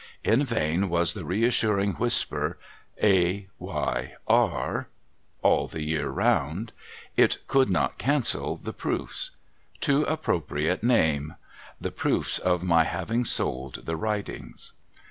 In vain was the reassuring whisper, —■ A. Y. R., All the Year Round, — it could not cancel the Proofs. Too appropriate name. The Proofs of my having sold the "Writings.